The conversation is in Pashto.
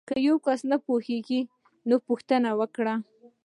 که یو کس نه پوهیږي نو پوښتنه وکړئ.